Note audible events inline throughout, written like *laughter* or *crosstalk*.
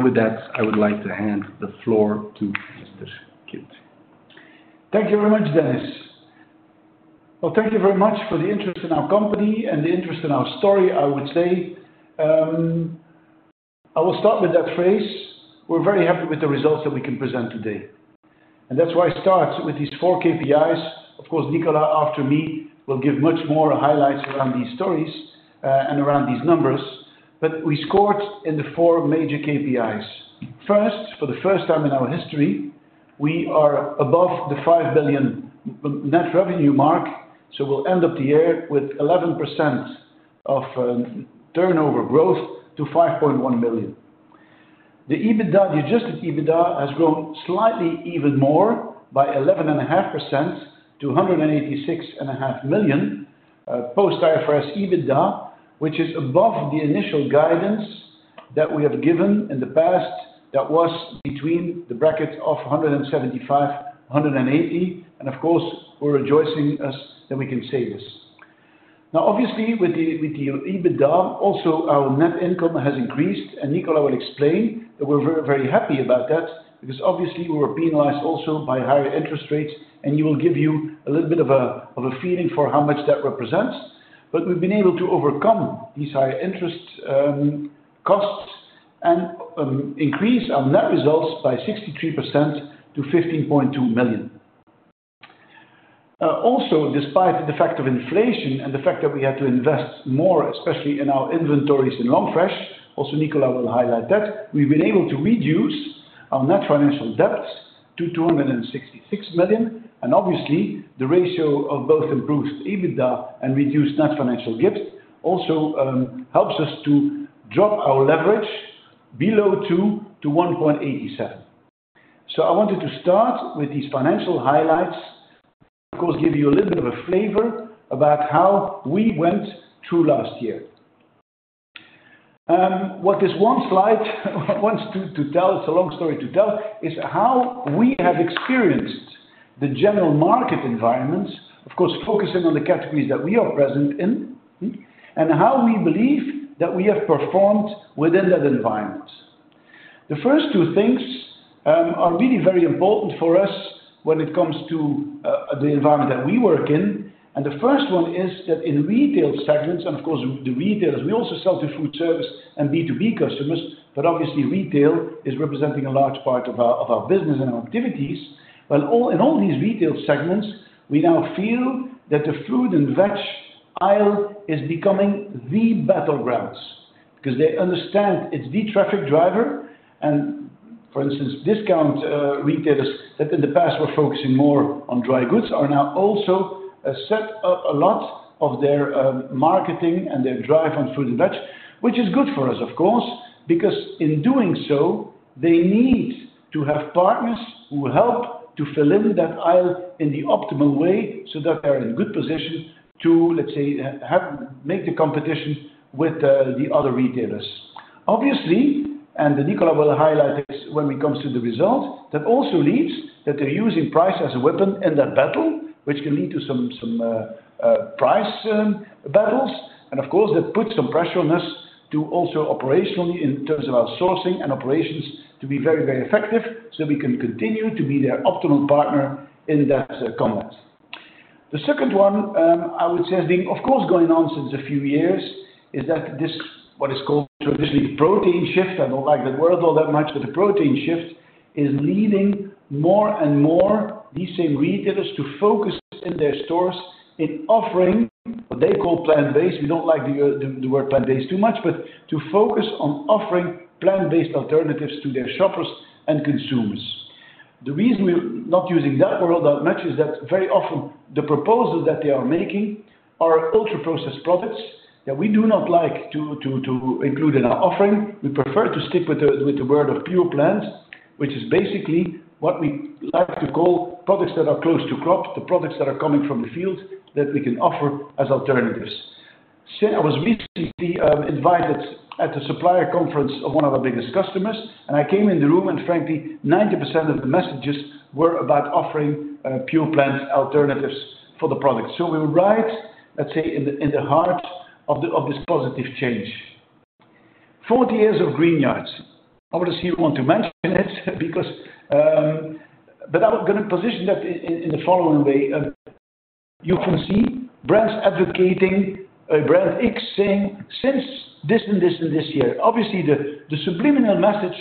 And with that, I would like to hand the floor to Mr. Kint. Thank you very much, Dennis. Well, thank you very much for the interest in our company and the interest in our story, I would say. I will start with that phrase, we're very happy with the results that we can present today, and that's why I start with these four KPIs. Of course, Nicolas, after me, will give much more highlights around these stories, and around these numbers, but we scored in the four major KPIs. First, for the first time in our history, we are above the 5 billion net revenue mark, so we'll end up the year with 11% of turnover growth to 5.1 billion. The EBITDA, adjusted EBITDA, has grown slightly even more by 11.5% to 186.5 million, post IFRS EBITDA, which is above the initial guidance that we have given in the past. That was between the bracket of 175 million and 180 million, and of course, we're rejoicing as that we can say this. Now, obviously, with the EBITDA, also our net income has increased, and Nicolas will explain that we're very, very happy about that because obviously we were penalized also by higher interest rates, and he will give you a little bit of a feeling for how much that represents. But we've been able to overcome these higher interest costs and increase our net results by 63% to 15.2 million. Also, despite the fact of inflation and the fact that we had to invest more, especially in our inventories in Long Fresh, also Nicolas will highlight that, we've been able to reduce our net financial debt to 266 million. And obviously, the ratio of both improved EBITDA and reduced net financial debt also helps us to drop our leverage below 2x to 1.87x. So I wanted to start with these financial highlights, of course, give you a little bit of a flavor about how we went through last year. What this one slide wants to tell, it's a long story to tell, is how we have experienced the general market environments. Of course, focusing on the categories that we are present in, and how we believe that we have performed within that environment. The first two things are really very important for us when it comes to the environment that we work in, and the first one is that in retail segments, and of course, the retailers, we also sell to food service and B2B customers, but obviously retail is representing a large part of our business and our activities. Well, in all these retail segments, we now feel that the fruit and veg aisle is becoming the battlegrounds, because they understand it's the traffic driver. And for instance, discount retailers, that in the past were focusing more on dry goods, are now also set up a lot of their marketing and their drive on fruit and veg. Which is good for us, of course, because in doing so, they need to have partners who help to fill in that aisle in the optimal way so that they're in good position to, let's say, have, make the competition with the other retailers. Obviously, and Nicolas will highlight this when it comes to the result, that also leads that they're using price as a weapon in that battle, which can lead to some, price battles. And of course, that puts some pressure on us to also operationally, in terms of our sourcing and operations, to be very, very effective, so we can continue to be their optimal partner in that combat. The second one, I would say has been, of course, going on since a few years, is that this, what is called traditionally protein shift, I don't like that word all that much, but the protein shift is leading more and more these same retailers to focus in their stores in offering what they call plant-based. We don't like the word plant-based too much, but to focus on offering plant-based alternatives to their shoppers and consumers. The reason we're not using that word that much is that very often the proposals that they are making are ultra-processed products that we do not like to include in our offering. We prefer to stick with the word of pure plants, which is basically what we like to call products that are close to crop, to products that are coming from the field, that we can offer as alternatives. So I was recently invited at the supplier conference of one of our biggest customers, and I came in the room and frankly, 90% of the messages were about offering pure plant alternatives for the products. So we're right, let's say, in the heart of this positive change. 40 years of Greenyard. I would also here want to mention it because--but I was gonna position that in the following way. You can see brands advocating, a brand X saying, "Since this, and this, and this year." Obviously, the subliminal message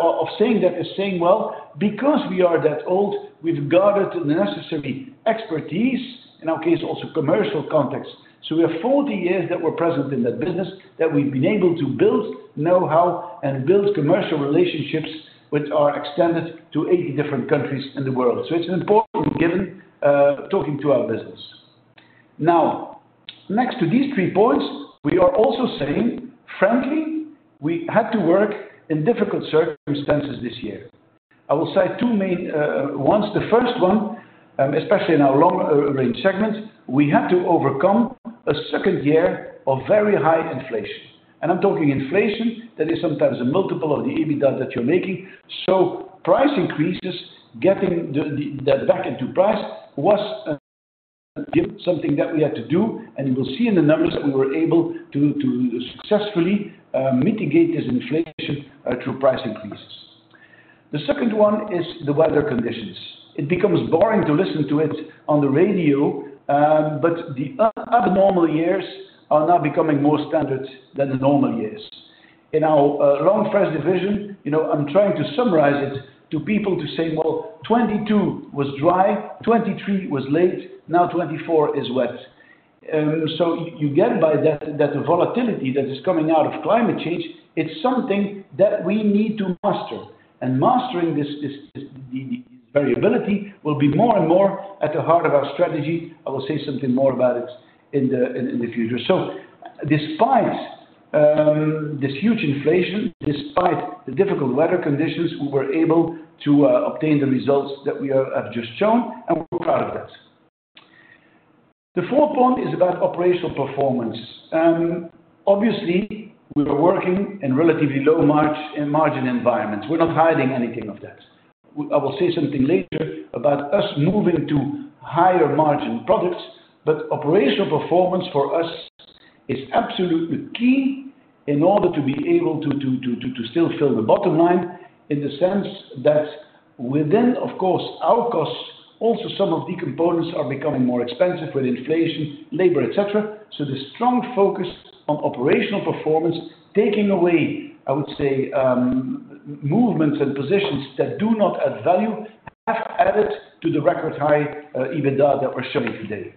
of saying that is saying, "Well, because we are that old, we've gathered the necessary expertise," in our case, also commercial context. So we have 40 years that we're present in that business, that we've been able to build know-how and build commercial relationships, which are extended to 80 different countries in the world. So it's an important given, talking to our business. Now, next to these three points, we are also saying frankly, we had to work in difficult circumstances this year. I will cite two main ones. The first one, especially in our Long Fresh segments, we had to overcome a second year of very high inflation. I'm talking inflation that is sometimes a multiple of the EBITDA that you're making. So price increases, getting that back into price was something that we had to do, and you will see in the numbers that we were able to successfully mitigate this inflation through price increases. The second one is the weather conditions. It becomes boring to listen to it on the radio, but the abnormal years are now becoming more standard than the normal years. In our Long Fresh division, you know, I'm trying to summarize it to people to say: "Well, 2022 was dry, 2023 was late, now 2024 is wet." So you get by that the volatility that is coming out of climate change, it's something that we need to master. And mastering this variability will be more and more at the heart of our strategy. I will say something more about it in the future. So despite this huge inflation, despite the difficult weather conditions, we were able to obtain the results that we have just shown, and we're proud of that. The fourth point is about operational performance. Obviously, we are working in relatively low margin environments. We're not hiding anything of that. I will say something later about us moving to higher margin products, but operational performance for us is absolutely key in order to be able to still fill the bottom line, in the sense that within, of course, our costs, also some of the components are becoming more expensive with inflation, labor, et cetera. So the strong focus on operational performance, taking away, I would say, movements and positions that do not add value, have added to the record high EBITDA that we're showing today.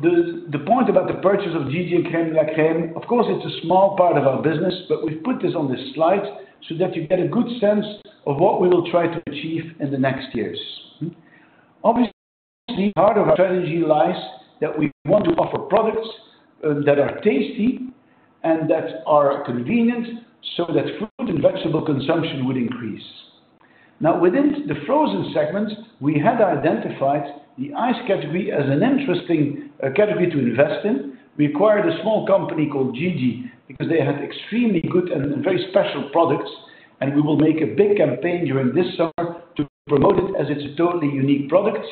The point about the purchase of Gigi and Crème de la Crème, of course, it's a small part of our business, but we've put this on this slide so that you get a good sense of what we will try to achieve in the next years. Obviously, part of our strategy lies that we want to offer products that are tasty and that are convenient, so that fruit and vegetable consumption would increase. Now, within the frozen segment, we had identified the ice category as an interesting category to invest in. We acquired a small company called Gigi because they had extremely good and very special products, and we will make a big campaign during this summer to promote it as it's a totally unique product.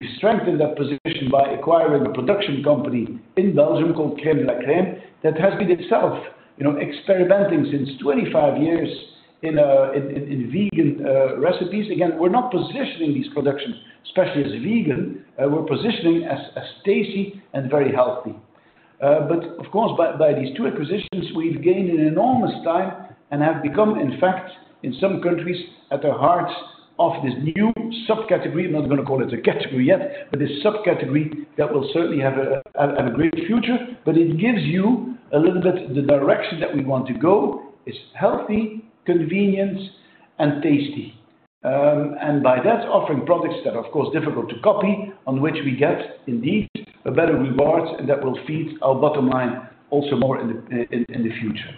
We strengthened that position by acquiring a production company in Belgium called Crème de la Crème, that has been itself, you know, experimenting since 25 years in vegan recipes. Again, we're not positioning these productions, especially as vegan. We're positioning as tasty and very healthy. But of course, by these two acquisitions, we've gained an enormous time and have become, in fact, in some countries, at the heart of this new subcategory, I'm not gonna call it a category yet, but a subcategory that will certainly have a great future. But it gives you a little bit the direction that we want to go, is healthy, convenience, and tasty. And by that, offering products that are, of course, difficult to copy, on which we get indeed a better reward, and that will feed our bottom line also more in the future.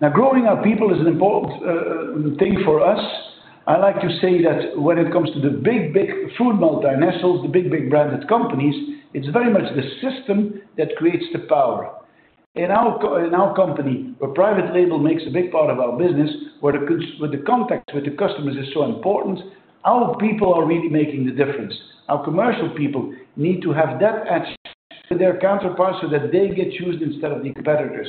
Now, growing our people is an important thing for us. I like to say that when it comes to the big, big food multinationals, the big, big branded companies, it's very much the system that creates the power. In our company, where private label makes a big part of our business, where the contact with the customers is so important, our people are really making the difference. Our commercial people need to have that edge to their counterparts, so that they get chosen instead of the competitors.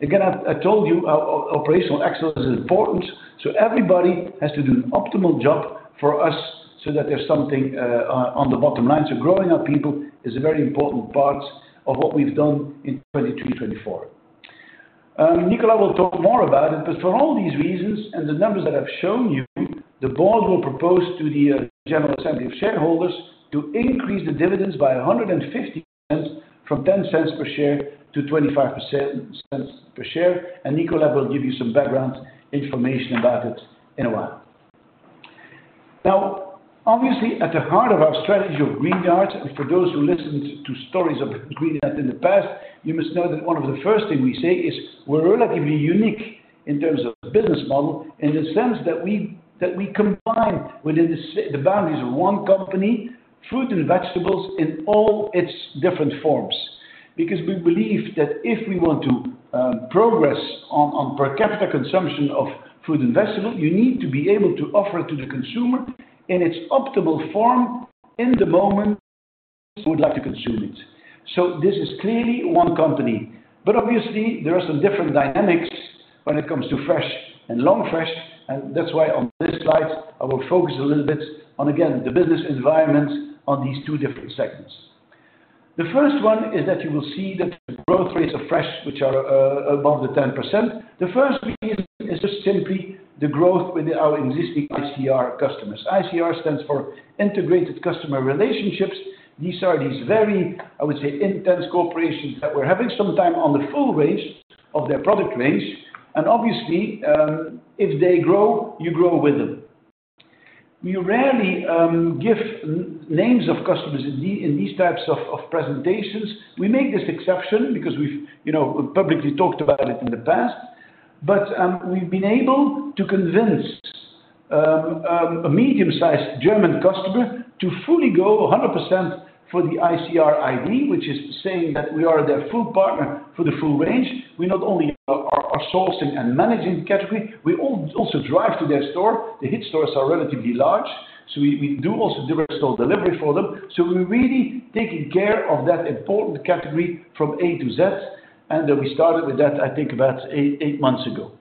Again, I told you our operational excellence is important, so everybody has to do an optimal job for us so that there's something on the bottom line. Growing our people is a very important part of what we've done in 2023, 2024. Nicolas will talk more about it, but for all these reasons and the numbers that I've shown you, the board will propose to the general assembly of shareholders to increase the dividends by 1.50, from 0.10 per share to 0.25 per share, and Nicolas will give you some background information about it in a while. Now, obviously, at the heart of our strategy of Greenyard, and for those who listened to stories of Greenyard in the past, you must know that one of the first thing we say is, "We're relatively unique in terms of business model," in the sense that we, that we combine within the boundaries of one company, fruit and vegetables in all its different forms. Because we believe that if we want to progress on per capita consumption of fruit and vegetables, you need to be able to offer it to the consumer in its optimal form, in the moment they would like to consume it. So this is clearly one company, but obviously, there are some different dynamics when it comes to Fresh and Long Fresh, and that's why on this slide, I will focus a little bit on, again, the business environment on these two different segments. The first one is that you will see that the growth rates are Fresh, which are above the 10%. The first reason is just simply the growth with our existing ICR customers. ICR stands for Integrated Customer Relationships. These are these very, I would say, intense corporations that we're having some time on the full range of their product range, and obviously, if they grow, you grow with them. We rarely give names of customers in the, in these types of, of presentations. We make this exception because we've, you know, publicly talked about it in the past, but we've been able to convince a medium-sized German customer to fully go 100% for the ICR, which is saying that we are their full partner for the full range. We not only are sourcing and managing the category, we also drive to their store. Their stores are relatively large. So we do also do retail delivery for them. So we're really taking care of that important category from A to Z, and then we started with that, I think about 8 months ago.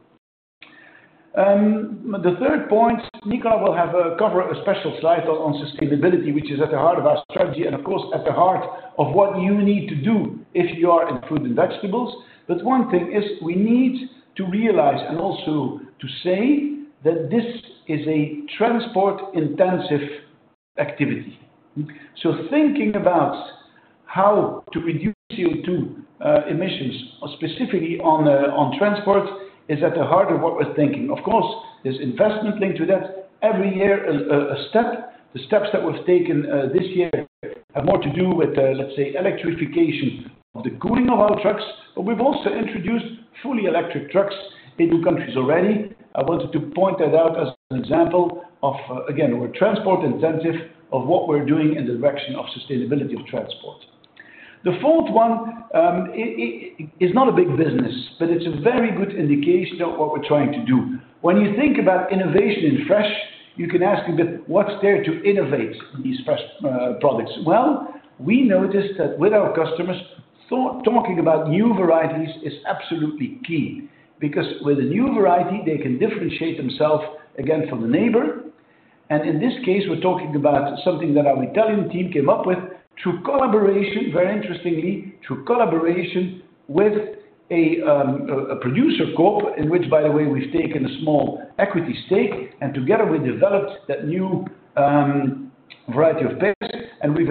The third point, Nicolas will cover a special slide on sustainability, which is at the heart of our strategy and of course, at the heart of what you need to do if you are in fruit and vegetables. But one thing is we need to realize, and also to say, that this is a transport intensive activity. So thinking about how to reduce CO2 emissions, specifically on transport, is at the heart of what we're thinking. Of course, there's investment linked to that. Every year, the steps that we've taken this year have more to do with the, let's say, electrification of the cooling of our trucks. But we've also introduced fully electric trucks in two countries already. I wanted to point that out as an example of, again, we're transport intensive, of what we're doing in the direction of sustainability of transport. The fourth one, it's not a big business, but it's a very good indication of what we're trying to do. When you think about innovation in Fresh, you can ask a bit, what's there to innovate in these Fresh products? Well, we noticed that with our customers, that talking about new varieties is absolutely key. Because with a new variety, they can differentiate themselves again from the neighbor, and in this case, we're talking about something that our Italian team came up with through collaboration, very interestingly, through collaboration with a producer coop, in which, by the way, we've taken a small equity stake, and together we developed that new variety of pears. We've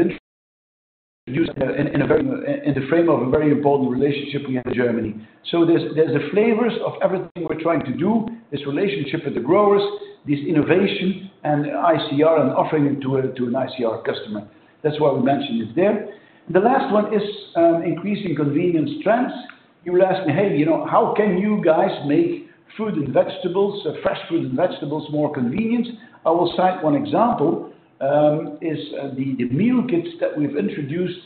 introduced in the frame of a very important relationship we have in Germany. There's the flavors of everything we're trying to do, this relationship with the growers, this innovation and ICR and offering it to an ICR customer. That's why we mentioned it there. The last one is increasing convenience trends. You will ask me, "Hey, you know, how can you guys make fruit and vegetables, fresh fruit and vegetables, more convenient?" I will cite one example, the meal kits that we've introduced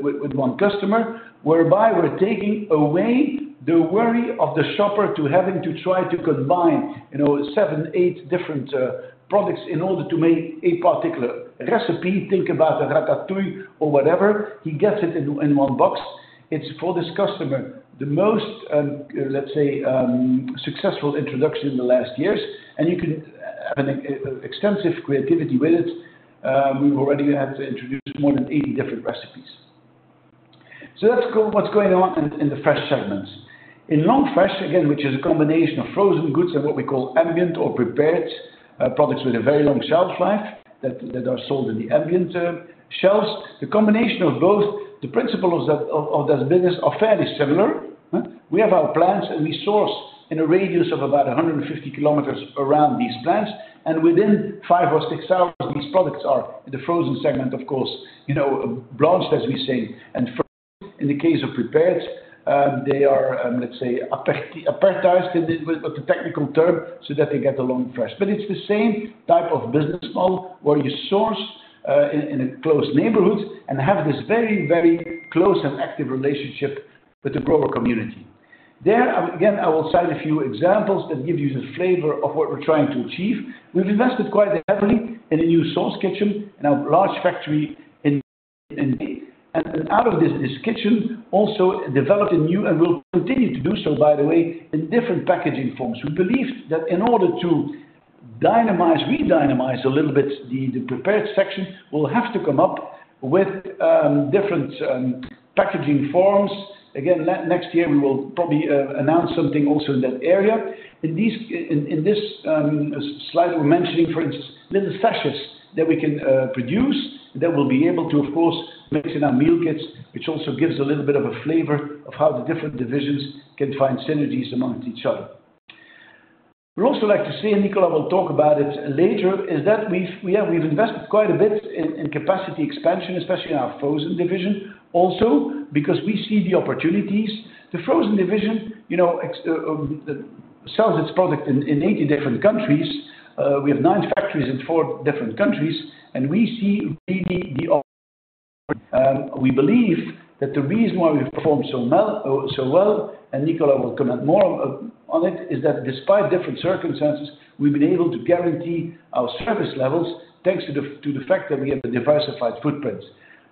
with one customer, whereby we're taking away the worry of the shopper to having to try to combine, you know, seven, eight different products in order to make a particular recipe. Think about a ratatouille or whatever, he gets it in one box. It's for this customer, the most, let's say, successful introduction in the last years, and you can have an extensive creativity with it. We've already had to introduce more than 80 different recipes. So that's what's going on in the Fresh segments. In non-Fresh, again, which is a combination of frozen goods and what we call ambient or prepared products with a very long shelf life, that are sold in the ambient shelves. The combination of both, the principle of that business are fairly similar, huh? We have our plants, and we source in a radius of about 150 kilometers around these plants, and within five or six hours, these products are in the frozen segment, of course, you know, blanched, as we say, and Fresh. In the case of prepared, they are, let's say, appertized, with a technical term, so that they get a Long Fresh. But it's the same type of business model, where you source in a close neighborhood and have this very, very close and active relationship with the grower community. There, again, I will cite a few examples that give you the flavor of what we're trying to achieve. We've invested quite heavily in a new sauce kitchen, in our large factory in--and out of this kitchen also developed a new and will continue to do so, by the way, in different packaging forms. We believe that in order to dynamize, re-dynamize a little bit, the prepared section, we'll have to come up with different packaging forms. Again, next year, we will probably announce something also in that area. In this slide, we're mentioning, for instance, little sachets that we can produce, that will be able to, of course, mix in our meal kits, which also gives a little bit of a flavor of how the different divisions can find synergies among each other. We'd also like to say, and Nicolas will talk about it later, is that we've invested quite a bit in capacity expansion, especially in our frozen division. Also, because we see the opportunities, the frozen division, you know, sells its product in 80 different countries. We have nine factories in four different countries, and we see really the, we believe that the reason why we've performed so well, so well, and Nicolas will comment more on it, is that despite different circumstances, we've been able to guarantee our service levels, thanks to the fact that we have a diversified footprint.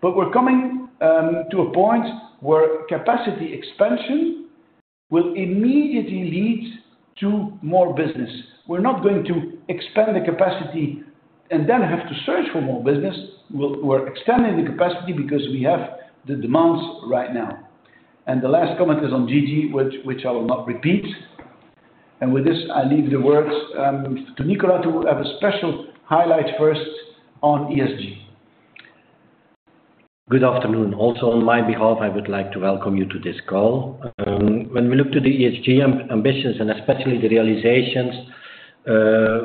But we're coming to a point where capacity expansion will immediately lead to more business. We're not going to expand the capacity and then have to search for more business. We're extending the capacity because we have the demands right now. And the last comment is on Gigi, which I will not repeat. And with this, I leave the words to Nicolas to have a special highlight first on ESG. Good afternoon. Also, on my behalf, I would like to welcome you to this call. When we look to the ESG ambitions and especially the realizations,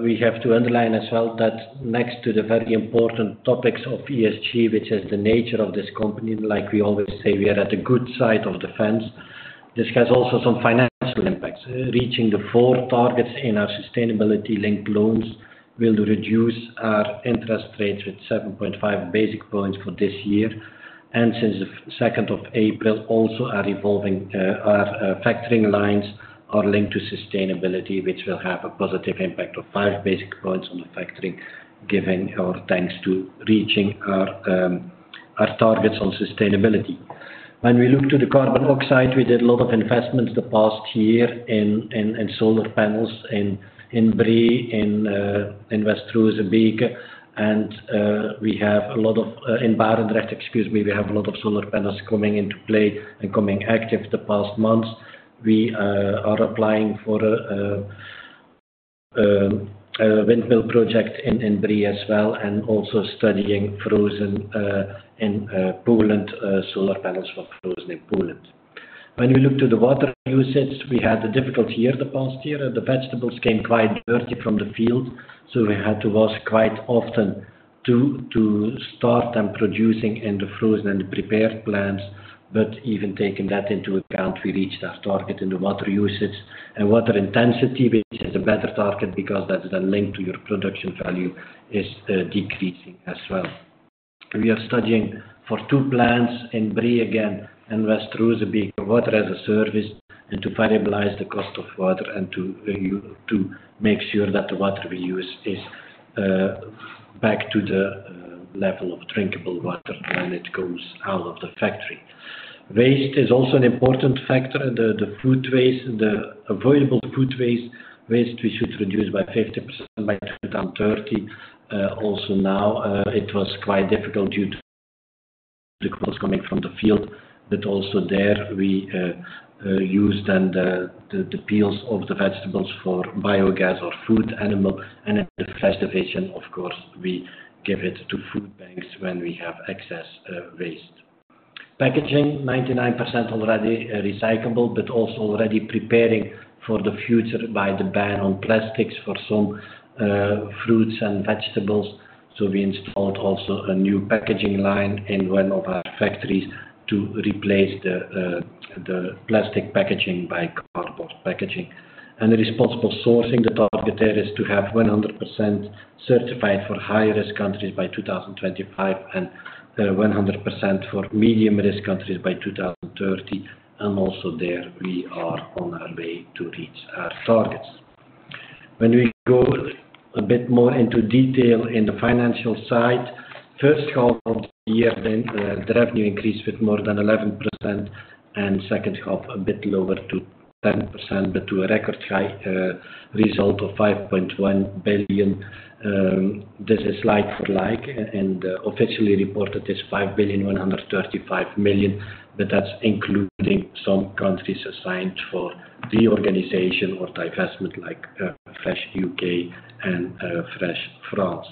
we have to underline as well that next to the very important topics of ESG, which is the nature of this company, like we always say, we are at the good side of the fence. This has also some financial impacts. Reaching the 4 targets in our sustainability-linked loans will reduce our interest rates with 7.5 basis points for this year. Since the second of April, also our revolving factoring lines are linked to sustainability, which will have a positive impact of 5 basis points on the factoring, thanks to reaching our targets on sustainability. When we look to the carbon oxide, we did a lot of investments the past year in solar panels in Bree, in Westrozebeke, and we have a lot of in Barendrecht, excuse me. We have a lot of solar panels coming into play and coming active the past months. We are applying for a windmill project in Bree as well, and also studying frozen in Poland solar panels for frozen in Poland. When you look to the water usage, we had a difficult year, the past year. The vegetables came quite dirty from the field, so we had to wash quite often to start and producing *audio distortion* in the frozen and prepared plants. But even taking that into account, we reached our target in the water usage and water intensity, which is a better target because that's then linked to your production value, is decreasing as well. We are studying for two plants in Bree again and Westrozebeke, Water as a Service, and to variabilize the cost of water and to make sure that the water we use is back to the level of drinkable water when it goes out of the factory. Waste is also an important factor. The food waste, the avoidable food waste, we should reduce by 50% by 2030. Also now, it was quite difficult due to coming from the field, but also there we used then the peels of the vegetables for biogas or food animal. In the fresh division, of course, we give it to food banks when we have excess waste. Packaging, 99% already recyclable, but also already preparing for the future by the ban on plastics for some fruits and vegetables. So we installed also a new packaging line in one of our factories to replace the plastic packaging by cardboard packaging. And the responsible sourcing, the target there is to have 100% certified for high-risk countries by 2025, and 100% for medium-risk countries by 2030. And also there, we are on our way to reach our targets. When we go a bit more into detail in the financial side, first half of the year, then, the revenue increased with more than 11%, and second half, a bit lower to 10%, but to a record high result of 5.1 billion. This is like for like, and, officially reported is 5.135 billion, but that's including some countries assigned for reorganization or divestment, like, Fresh U.K. and, Fresh France.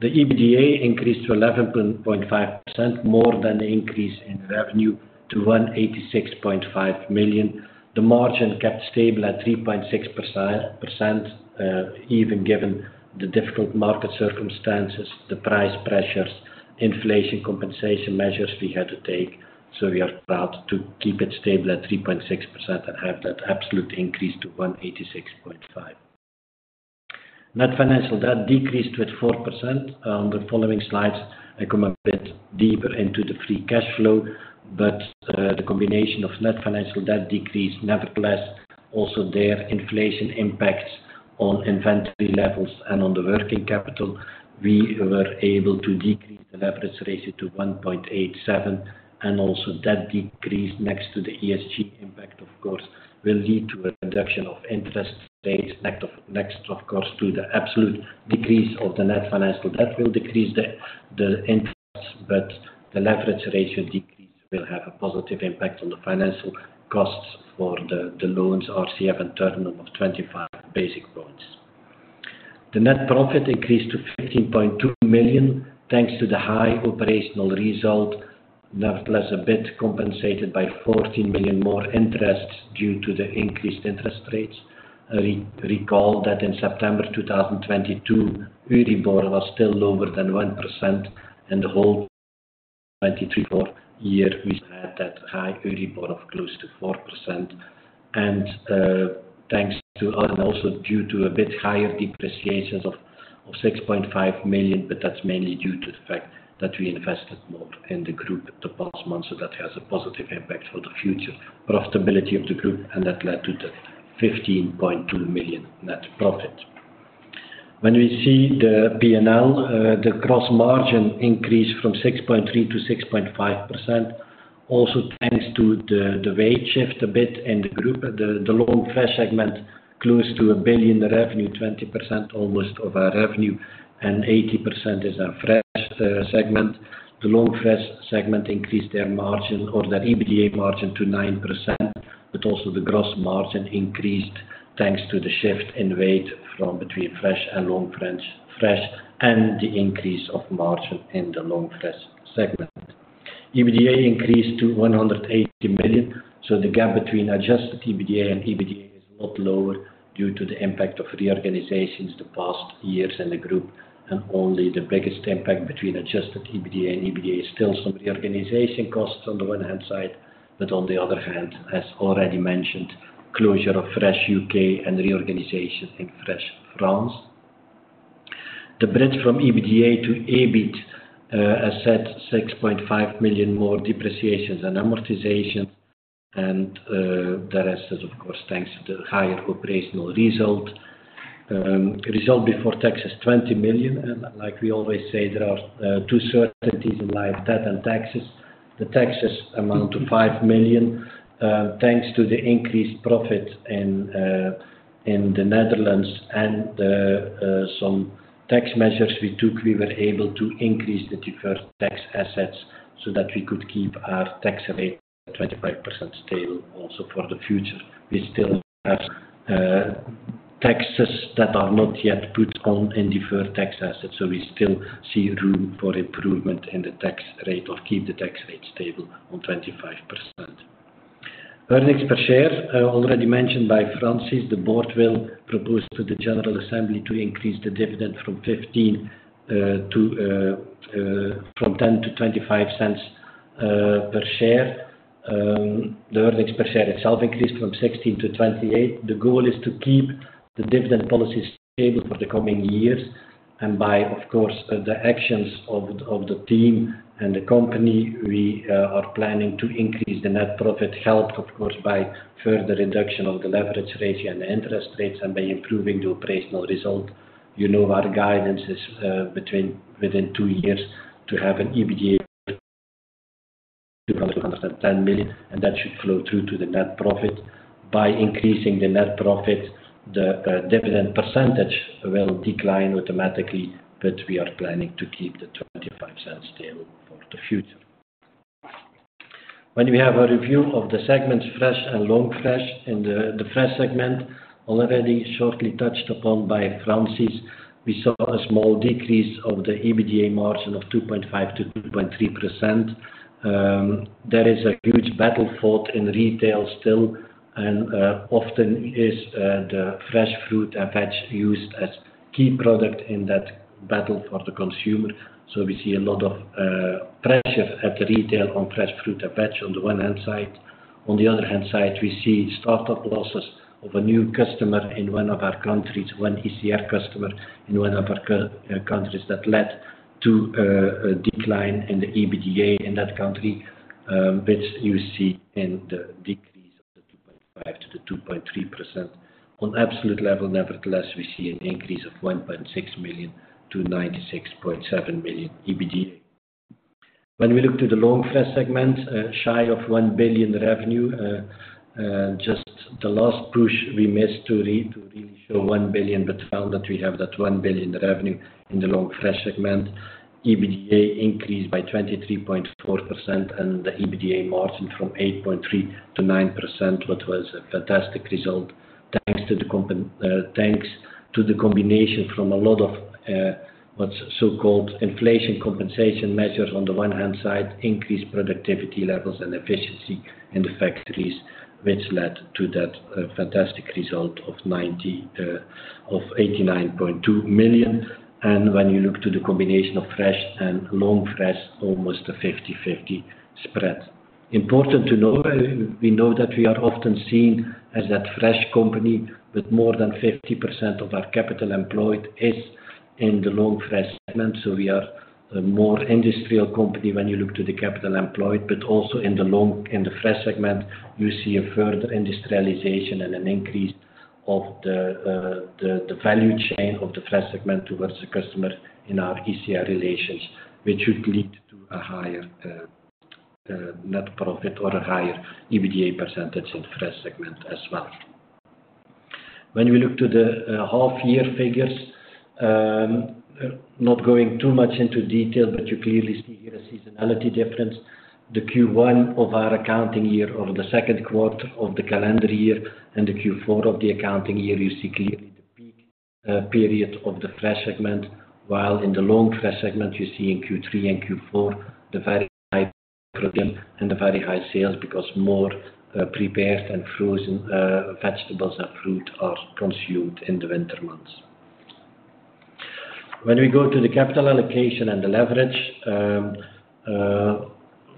The EBITDA increased to 11.5%, more than the increase in revenue to 186.5 million. The margin kept stable at 3.6%, even given the difficult market circumstances, the price pressures, inflation compensation measures we had to take. So we are proud to keep it stable at 3.6% and have that absolute increase to 186.5. Net financial debt decreased with 4%. On the following slides, I come a bit deeper into the free cash flow, but the combination of net financial debt decreased. Nevertheless, also there, inflation impacts on inventory levels and on the working capital, we were able to decrease the leverage ratio to 1.87x, and also debt decreased next to the ESG impact, of course, will lead to a reduction of interest rates. Next, of course, to the absolute decrease of the net financial debt will decrease the interest, but the leverage ratio decrease will have a positive impact on the financial costs for the loans RCF and term of 25 basis points. The net profit increased to 15.2 million, thanks to the high operational result. Nevertheless, a bit compensated by 14 million more interests due to the increased interest rates. Recall that in September 2022, Euribor was still lower than 1%, and the whole 2023-2024 year, we had that high Euribor of close to 4%. And, thanks to, and also due to a bit higher depreciations of 6.5 million, but that's mainly due to the fact that we invested more in the group the past months. So that has a positive impact for the future profitability of the group, and that led to the 15.2 million net profit. When we see the P&L, the gross margin increase from 6.3% to 6.5%. Also, thanks to the weight shift a bit in the group, the Long Fresh segment, close to 1 billion revenue, almost 20% of our revenue, and 80% is our Fresh segment. The Long Fresh segment increased their margin or their EBITDA margin to 9%, but also the gross margin increased, thanks to the shift in weight from between Fresh and Long Fresh, and the increase of margin in the Long Fresh segment. EBITDA increased to 180 million, so the gap between adjusted EBITDA and EBITDA is a lot lower due to the impact of reorganizations the past years in the group. And only the biggest impact between adjusted EBITDA and EBITDA is still some reorganization costs on the one hand side, but on the other hand, as already mentioned, closure of Fresh U.K. and reorganization in Fresh France. The bridge from EBITDA to EBIT, as said, 6.5 million more depreciations and amortization, and the rest is, of course, thanks to the higher operational result. Result before tax is 20 million, and like we always say, there are two certainties in life, death and taxes. The taxes amount to 5 million. Thanks to the increased profit in the Netherlands and some tax measures we took, we were able to increase the deferred tax assets so that we could keep our tax rate at 25% stable also for the future. We still have taxes that are not yet put on in deferred tax assets, so we still see room for improvement in the tax rate or keep the tax rate stable on 25%. Earnings per share, already mentioned by Francis, the board will propose to the General Assembly to increase the dividend from 0.10 to 0.25 per share. The earnings per share itself increased from 0.16 to 0.28. The goal is to keep the dividend policy stable for the coming years, and by, of course, the actions of the team and the company, we are planning to increase the net profit. Helped, of course, by further reduction of the leverage ratio and the interest rates, and by improving the operational result. You know, our guidance is, within two years to have an EBITDA to around 10 million, and that should flow through to the net profit. By increasing the net profit, the dividend percentage will decline automatically, but we are planning to keep the 0.25 stable for the future. When we have a review of the segments, Fresh and Long Fresh. In the Fresh segment, already shortly touched upon by Francis, we saw a small decrease of the EBITDA margin of 2.5%-2.3%. There is a huge battle fought in retail still, and often is the fresh fruit and veg used as key product in that battle for the consumer. So we see a lot of pressure at retail on fresh fruit and veg, on the one hand side. On the other hand side, we see start-up losses of a new customer in one of our countries, one ICR customer in one of our countries that led to a decline in the EBITDA in that country, which you see in the decrease of the 2.5%-2.3%. On absolute level, nevertheless, we see an increase of 1.6 million to 96.7 million EBITDA. When we look to the Long Fresh segment, shy of 1 billion revenue, just the last push we missed to really show 1 billion, but found that we have that 1 billion revenue in the Long Fresh segment. EBITDA increased by 23.4%, and the EBITDA margin from 8.3% to 9%, which was a fantastic result. Thanks to the combination from a lot of what's so-called inflation compensation measures on the one hand side, increased productivity levels and efficiency in the factories, which led to that fantastic result of 89.2 million. When you look to the combination of Fresh and Long Fresh, almost a 50/50 spread. Important to know, we know that we are often seen as that Fresh company, but more than 50% of our capital employed is in the Long Fresh segment. So we are a more industrial company when you look to the capital employed, but also in the Long Fresh segment, you see a further industrialization and an increase of the value chain of the Fresh segment towards the customer in our ICR relations, which should lead to a higher net profit or a higher EBITDA percentage in the Fresh segment as well. When we look to the half year figures, not going too much into detail, but you clearly see here a seasonality difference. The Q1 of our accounting year, or the second quarter of the calendar year, and the Q4 of the accounting year, you see clearly the peak period of the Fresh segment. While in the Long Fresh segment, you see in Q3 and Q4, the very high volume and the very high sales, because more prepared and frozen vegetables and fruit are consumed in the winter months. When we go to the capital allocation and the leverage,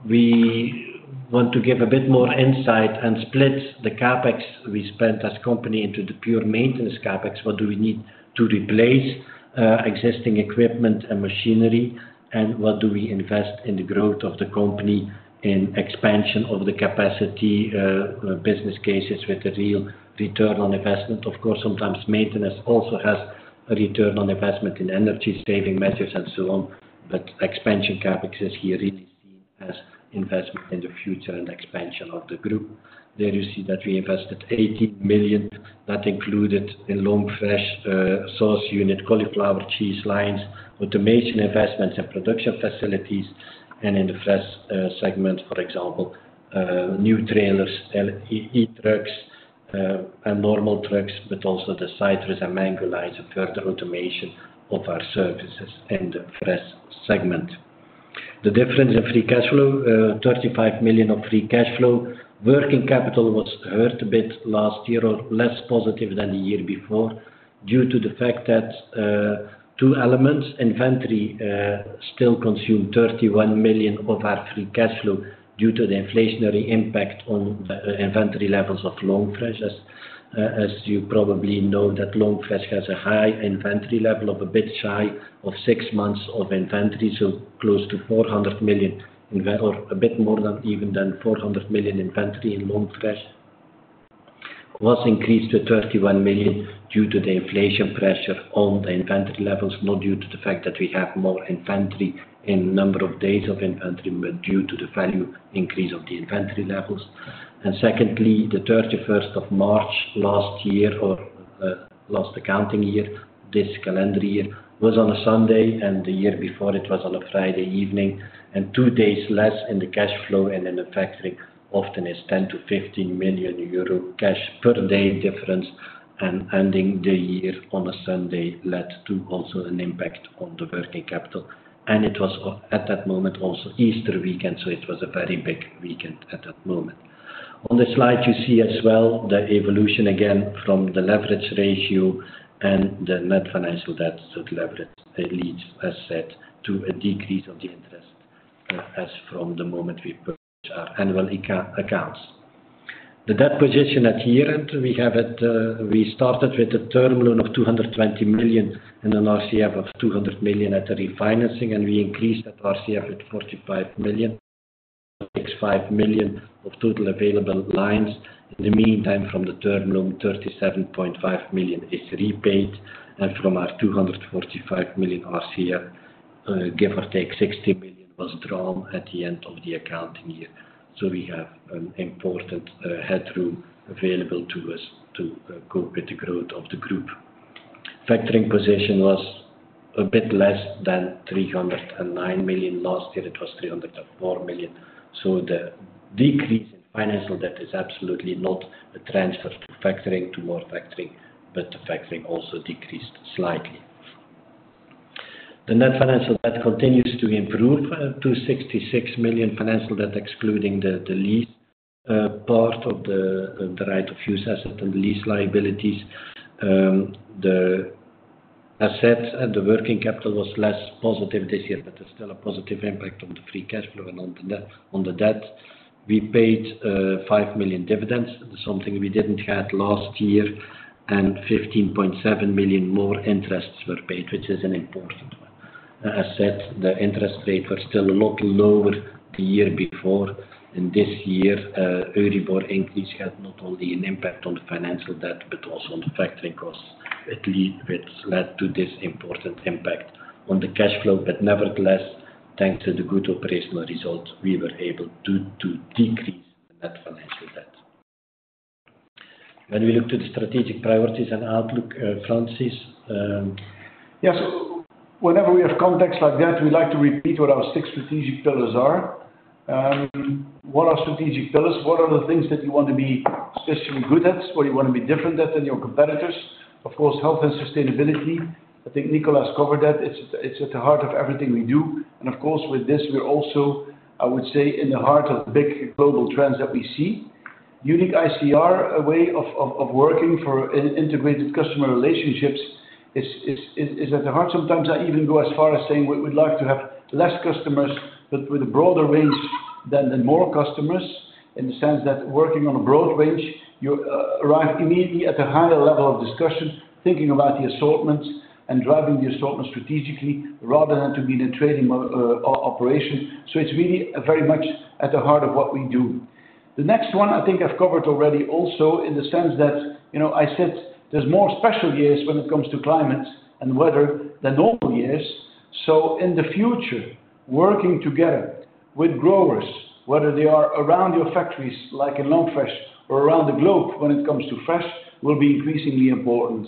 we want to give a bit more insight and split the CapEx we spent as company into the pure maintenance CapEx. What do we need to replace existing equipment and machinery? And what do we invest in the growth of the company in expansion of the capacity business cases with a real return on investment? Of course, sometimes maintenance also has a return on investment in energy saving measures and so on, but expansion CapEx is here really seen as investment in the future and expansion of the group. There you see that we invested 18 million. That included in Long Fresh, sauce unit, cauliflower, cheese lines, automation investments and production facilities. In the Fresh segment, for example, new trailers, e-trucks, and normal trucks, but also the citrus and mango lines, further automation of our services in the Fresh segment. The difference in free cash flow, 35 million of free cash flow. Working capital was hurt a bit last year, or less positive than the year before. Due to the fact that, two elements, inventory still consume 31 million of our free cash flow due to the inflationary impact on the inventory levels of Long Fresh. As, as you probably know, that Long Fresh has a high inventory level of a bit shy of six months of inventory, so close to 400 million, or a bit more than even than 400 million inventory in Long Fresh, was increased to 31 million due to the inflation pressure on the inventory levels, not due to the fact that we have more inventory in number of days of inventory, but due to the value increase of the inventory levels. And secondly, the 31st of March last year, or, last accounting year, this calendar year, was on a Sunday, and the year before it was on a Friday evening, and two days less in the cash flow and in the factory often is 10 million-15 million euro cash per day difference, and ending the year on a Sunday led to also an impact on the working capital. It was, at that moment, also Easter weekend, so it was a very big weekend at that moment. On the slide, you see as well the evolution, again, from the leverage ratio and the net financial debt. So the leverage, it leads, as said, to a decrease of the interest, as from the moment we publish our annual eco-accounts. The debt position at year-end, we have it, we started with a term loan of 220 million and an RCF of 200 million at the refinancing, and we increased that RCF with 45 million, plus 5 million of total available lines. In the meantime, from the term loan, 37.5 million is repaid, and from our 245 million RCF, give or take, 60 million was drawn at the end of the accounting year. So we have an important headroom available to us to cope with the growth of the group. Factoring position was a bit less than 309 million. Last year, it was 304 million. So the decrease in financial debt is absolutely not a transfer to factoring, to more factoring, but the factoring also decreased slightly. The net financial debt continues to improve to 66 million financial debt, excluding the lease part of the right of use asset and lease liabilities. The assets and the working capital was less positive this year, but there's still a positive impact on the free cash flow and on the debt. We paid 5 million dividends, something we didn't have last year, and 15.7 million more interests were paid, which is an important one. As said, the interest rate was still a lot lower the year before, and this year, Euribor increase had not only an impact on the financial debt, but also on the factoring costs, which led to this important impact on the cash flow. But nevertheless, thanks to the good operational results, we were able to decrease the net financial debt. When we look to the strategic priorities and outlook, Francis? Yes, whenever we have context like that, we like to repeat what our six strategic pillars are. What are strategic pillars? What are the things that you want to be especially good at, what you want to be different at than your competitors? Of course, health and sustainability. I think Nicolas covered that. It's at the heart of everything we do. And of course, with this, we're also, I would say, in the heart of big global trends that we see. Unique ICR, a way of working for integrated customer relationships is at the heart. Sometimes I even go as far as saying we, we'd like to have less customers, but with a broader range than, than more customers, in the sense that working on a broad range, you arrive immediately at a higher level of discussion, thinking about the assortment and driving the assortment strategically, rather than to be in a trading mode of operation. So it's really very much at the heart of what we do. The next one, I think I've covered already also, in the sense that, you know, I said there's more special years when it comes to climate and weather than normal years. So in the future, working together with growers, whether they are around your factories, like in Long Fresh, or around the globe when it comes to fresh, will be increasingly important,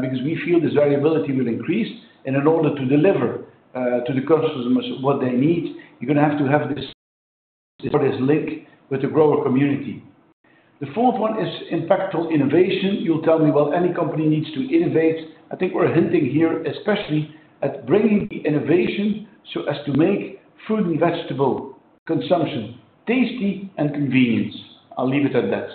because we feel this variability will increase. And in order to deliver to the customers what they need, you're gonna have to have this, this link with the grower community. The fourth one is impactful innovation. You'll tell me, "Well, any company needs to innovate." I think we're hinting here, especially at bringing the innovation so as to make fruit and vegetable consumption tasty and convenient. I'll leave it at that.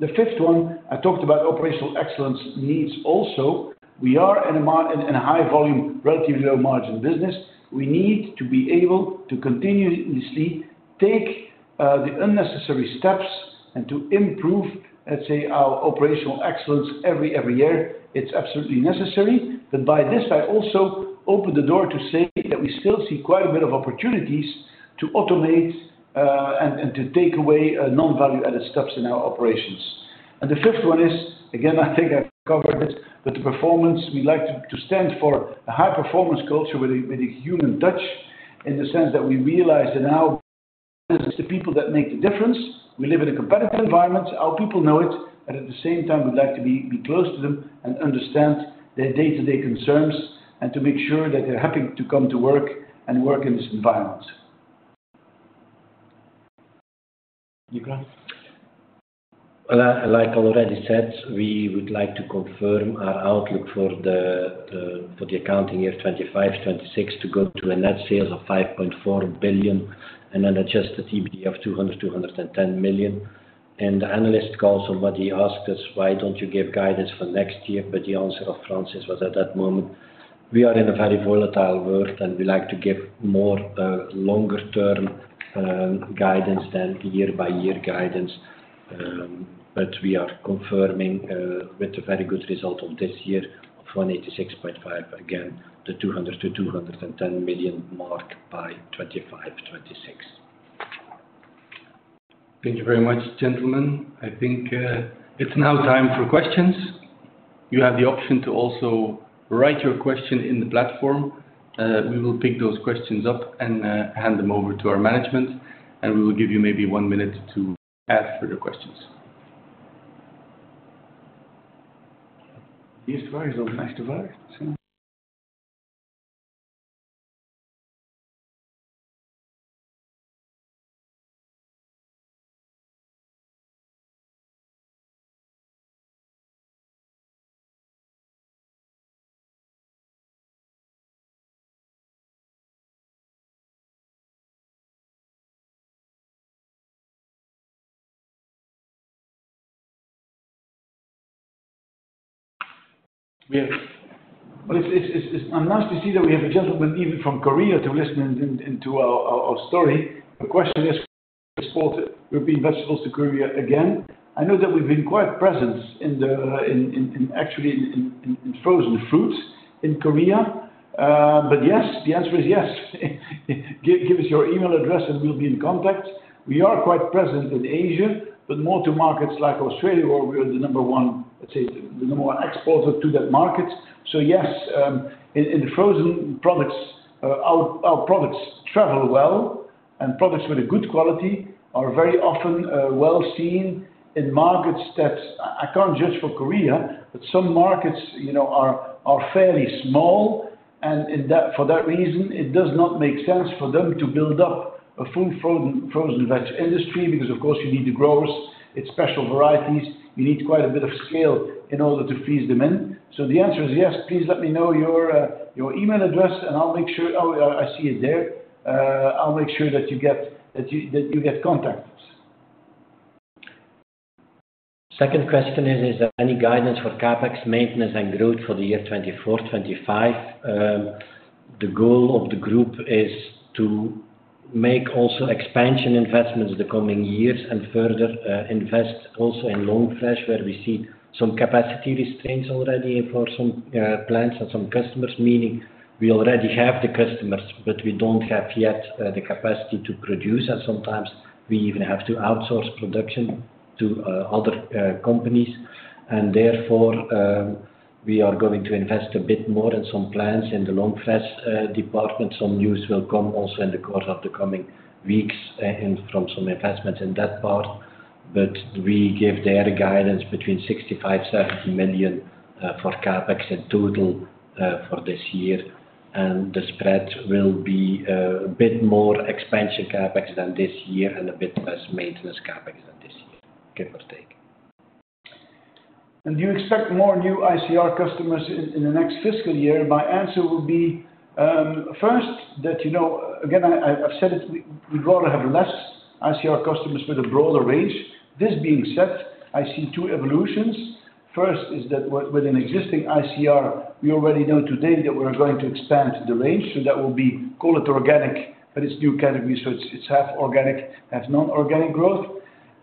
The fifth one, I talked about operational excellence needs also. We are in a high volume, relatively low margin business. We need to be able to continuously take the unnecessary steps and to improve, let's say, our operational excellence every, every year. It's absolutely necessary. But by this, I also open the door to say that we still see quite a bit of opportunities to automate and, and to take away non-value added steps in our operations. The fifth one is, again, I think I've covered this, but the performance, we like to, to stand for a high performance culture with a, with a human touch, in the sense that we realize that in our business, it's the people that make the difference. We live in a competitive environment, our people know it, and at the same time, we'd like to be, be close to them and understand their day-to-day concerns, and to make sure that they're happy to come to work and work in this environment. Nicolas? Well, like already said, we would like to confirm our outlook for the accounting year 2025-2026, to go to net sales of 5.4 billion, and an adjusted EBITDA of 200-210 million. In the analyst call, somebody asked us, "Why don't you give guidance for next year?" But the answer of Francis was, at that moment, we are in a very volatile world, and we like to give more, longer term, guidance than year-by-year guidance. But we are confirming, with a very good result of this year, of 186.5 million, again, the 200-210 million mark by 2025-2026. Thank you very much, gentlemen. I think, it's now time for questions. You have the option to also write your question in the platform. We will pick those questions up and, hand them over to our management, and we will give you maybe one minute to add further questions. Yes, so it's all nice to ask. Yeah. Well, it's nice to see that we have a gentleman, even from Korea, to listen into our story. The question is, export European vegetables to Korea again. I know that we've been quite present in actually in frozen fruits in Korea. But yes, the answer is yes. Give us your email address, and we'll be in contact. We are quite present in Asia, but more to markets like Australia, where we are the number one, let's say, the number one exporter to that market. So yes, in frozen products, our products travel well, and products with a good quality are very often well seen in markets that-- I can't judge for Korea, but some markets, you know, are fairly small, and in that, for that reason, it does not make sense for them to build up a full frozen veg industry, because of course, you need the growers. It's special varieties. You need quite a bit of scale in order to freeze them in. So the answer is yes. Please let me know your email address, and I'll make sure--oh, yeah, I see it there. I'll make sure that you get contacted. Second question is, "Is there any guidance for CapEx maintenance and growth for the year 2024-2025?" The goal of the group is to make also expansion investments in the coming years and further invest also in Long Fresh, where we see some capacity restraints already for some clients and some customers. Meaning we already have the customers, but we don't have yet the capacity to produce, and sometimes we even have to outsource production to other companies. And therefore, we are going to invest a bit more in some plants in the Long Fresh department. Some news will come also in the course of the coming weeks and from some investments in that part. But we give there a guidance between 65 million and 70 million for CapEx in total for this year. The spread will be a bit more expansion CapEx than this year and a bit less maintenance CapEx than this year, give or take. And do you expect more new ICR customers in the next fiscal year?" My answer would be, first, that, you know, again, I've said it, we'd rather have less ICR customers with a broader range. This being said, I see two evolutions. First, is that with an existing ICR, we already know today that we're going to expand the range, so that will be, call it organic, but it's new category, so it's half organic, half non-organic growth.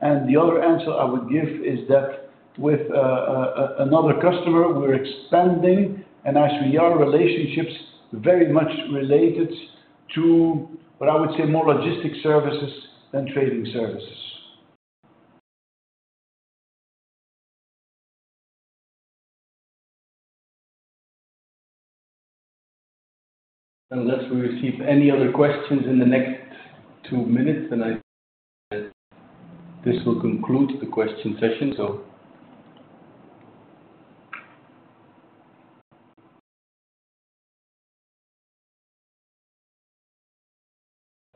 And the other answer I would give is that with another customer, we're expanding, and as we are, relationships very much related to, what I would say, more logistic services than trading services. Unless we receive any other questions in the next two minutes, then I think that this will conclude the question session.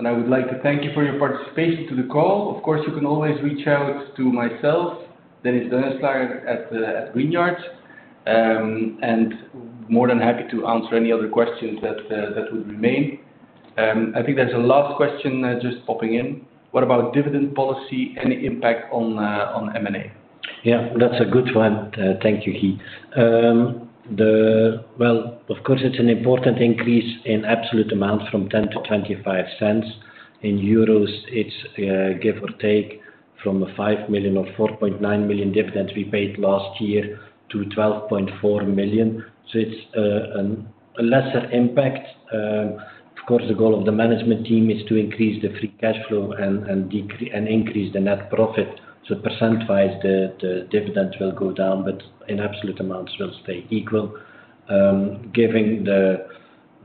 I would like to thank you for your participation to the call. Of course, you can always reach out to myself, Dennis Duinslaeger at Greenyard, and more than happy to answer any other questions that would remain. I think there's a last question just popping in: "What about dividend policy? Any impact on M&A? Yeah, that's a good one. Thank you, Kint. Well, of course, it's an important increase in absolute amount from 0.10 to 0.25. In euros, it's give or take from 5 million or 4.9 million dividends we paid last year, to 12.4 million. So it's a lesser impact. Of course, the goal of the management team is to increase the free cash flow and decrease and increase the net profit. So percent-wise, the dividend will go down, but in absolute amounts will stay equal. Given the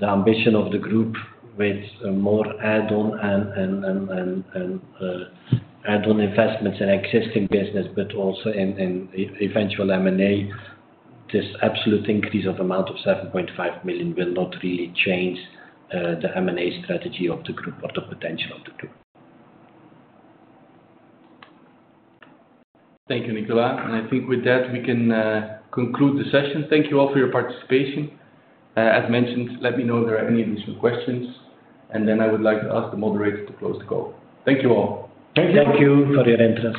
ambition of the group with more add-on investments in existing business, but also in eventual M&A. This absolute increase of amount of 7.5 million will not really change the M&A strategy of the group or the potential of the group. Thank you, Nicolas. I think with that, we can conclude the session. Thank you all for your participation. As mentioned, let me know if there are any additional questions, and then I would like to ask the moderator to close the call. Thank you, all. Thank you for your interest.